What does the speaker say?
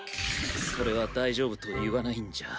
それは大丈夫と言わないんじゃ。